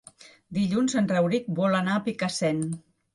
Dilluns en Rauric vol anar a Picassent.